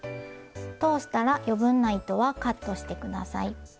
通したら余分な糸はカットして下さい。